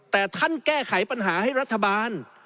แต่ท่านแก้ไขปัญหาให้รัฐบาล